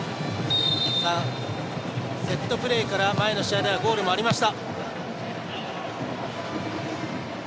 セットプレーから前の試合ではゴールもありました。